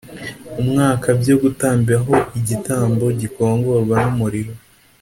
umwaka byo gutamba ho igitambo gikongorwa n umuriro